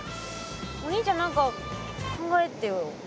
お兄ちゃん何か考えてよ。